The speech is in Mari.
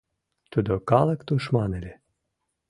«Тудо калык тушман ыле.